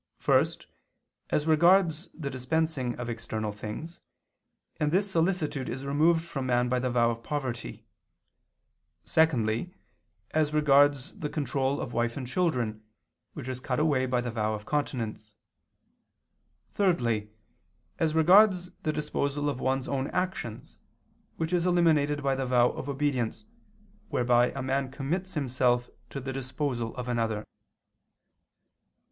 First, as regards the dispensing of external things, and this solicitude is removed from man by the vow of poverty; secondly, as regards the control of wife and children, which is cut away by the vow of continence; thirdly, as regards the disposal of one's own actions, which is eliminated by the vow of obedience, whereby a man commits himself to the disposal of another.